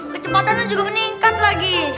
kecepatannya juga meningkat lagi